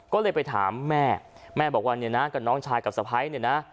ก็เลยไปถามแม่แม่บอกว่าเนี่ยนะกับน้องชายกับสะพ้ายเนี่ยนะ